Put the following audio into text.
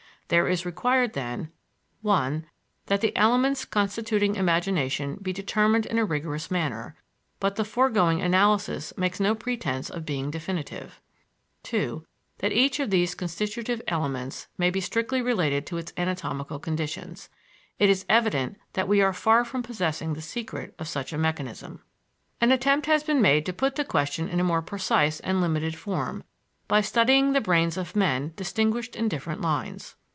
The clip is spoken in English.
There is required, then, (1) that the elements constituting imagination be determined in a rigorous manner, but the foregoing analysis makes no pretense of being definitive; (2) that each of these constitutive elements may be strictly related to its anatomic conditions. It is evident that we are far from possessing the secret of such a mechanism. An attempt has been made to put the question in a more precise and limited form by studying the brains of men distinguished in different lines.